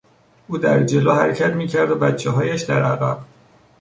او در جلو حرکت میکرد و بچههایش در عقب.